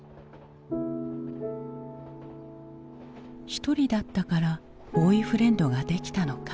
一人だったからボーイフレンドができたのか。